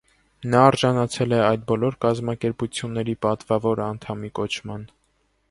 Նա արժանացել է այդ բոլոր կազմակերպությունների պատվավոր անդամի կոչման։